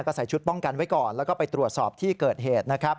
ก็ใส่ชุดป้องกันไว้ก่อนแล้วก็ไปตรวจสอบที่เกิดเหตุนะครับ